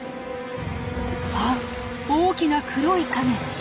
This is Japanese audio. あっ大きな黒い影！